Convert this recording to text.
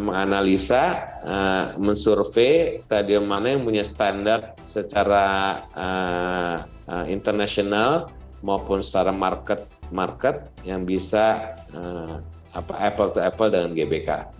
menganalisa mensurvey stadium mana yang punya standar secara internasional maupun secara market market yang bisa apple to apple dengan gbk